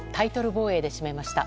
防衛で締めました。